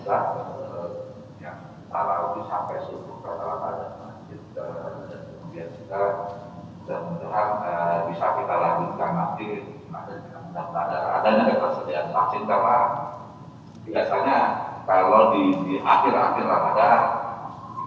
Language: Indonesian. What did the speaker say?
adanya ketersediaan vaksin karena biasanya kalau di akhir akhir ramadan